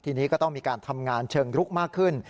ทีนี้ก็ต้องมีการทำงานเชิงลุกมากขึ้น